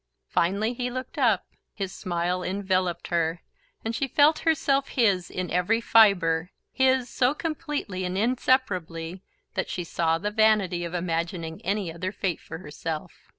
Finally he looked up, his smile enveloped her, and she felt herself his in every fibre, his so completely and inseparably that she saw the vanity of imagining any other fate for herself.